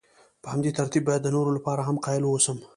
په همدې ترتیب باید د نورو لپاره هم قایل واوسم.